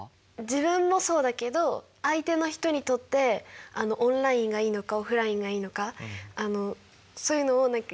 自分もそうだけど相手の人にとってオンラインがいいのかオフラインがいいのか。